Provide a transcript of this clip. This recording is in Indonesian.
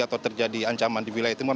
atau terjadi ancaman di wilayah timur